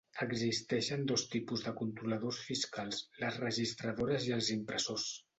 Existeixen dos tipus de controladors fiscals: les registradores i els impressors.